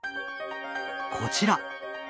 こちら。